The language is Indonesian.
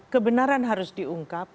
kebenaran harus diungkap